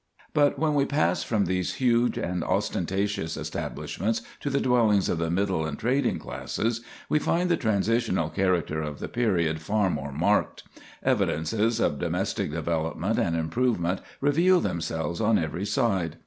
But when we pass from these huge and ostentatious establishments to the dwellings of the middle and trading classes, we find the transitional character of the period far more marked. Evidences of domestic development and improvement reveal themselves on every side.